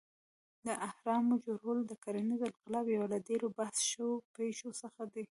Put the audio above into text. د اهرامو جوړول د کرنیز انقلاب یو له ډېرو بحث شوو پېښو څخه دی.